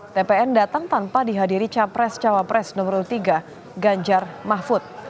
tpn datang tanpa dihadiri capres cawapres nomor tiga ganjar mahfud